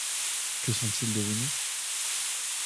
Que sont-ils devenus ?